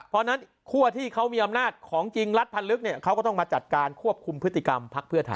เพราะฉะนั้นคั่วที่เขามีอำนาจของจริงรัฐพันธ์ลึกเนี่ยเขาก็ต้องมาจัดการควบคุมพฤติกรรมพักเพื่อไทย